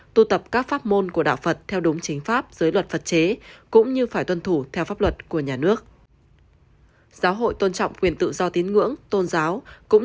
tu tập các pháp môn của đạo phật theo đúng chính pháp dưới luật phật chế cũng như phải tuân thủ theo pháp luật của nhà nước